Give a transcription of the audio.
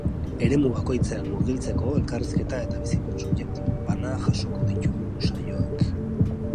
Eremu bakoitzean murgiltzeko, elkarrizketa eta bizipen subjektibo bana jasoko ditu saioak.